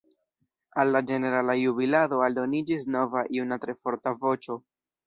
Al la ĝenerala jubilado aldoniĝis nova juna tre forta voĉo.